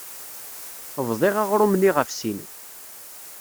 Bḍiɣ aɣrum-nni ɣef sin.